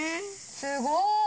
すごーい。